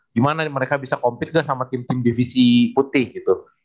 gimana mereka bisa compete gak sama tim tim divisi putih gitu